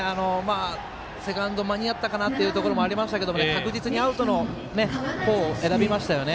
セカンド間に合ったかなというところもありましたけれども確実にアウトの方を選びましたよね。